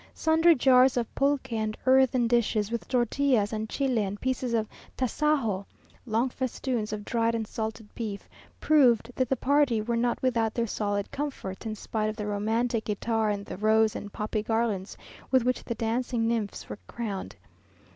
Sundry jars of pulque and earthen dishes with tortillas and chili and pieces of tasajo, long festoons of dried and salted beef, proved that the party were not without their solid comforts, in spite of the romantic guitar and the rose and poppy garlands with which the dancing nymphs were crowned.